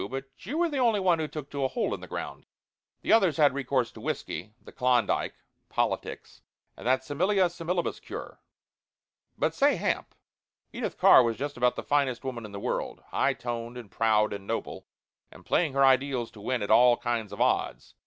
But you were the only one who took to a hole in the ground. The others had recourse to whiskey, the Klondike, politics, and that similia similibus cure. But, say Hamp, Edith Carr was just about the finest woman in the world high toned and proud and noble, and playing her ideals to win at all kinds of odds.